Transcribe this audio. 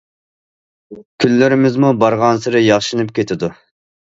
كۈنلىرىمىزمۇ بارغانسېرى ياخشىلىنىپ كېتىدۇ.